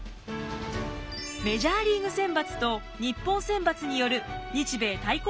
メジャーリーグ選抜と日本選抜による日米対抗戦が実現。